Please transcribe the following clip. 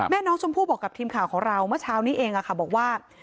แม่น้องชมพู่บอกกับทีมข่าวของเราเมื่อเช้านี้เองบอกว่า